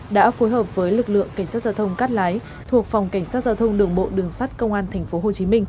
đã phối hợp với lực lượng cảnh sát giao thông cát lái thuộc phòng cảnh sát giao thông đường bộ đường sát công an tp hcm